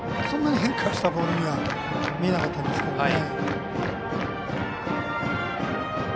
そんなに変化したボールには見えなかったんですけどね。